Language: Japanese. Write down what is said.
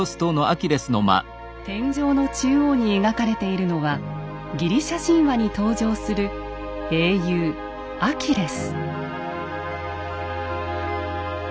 天井の中央に描かれているのはギリシャ神話に登場する英雄アキレス。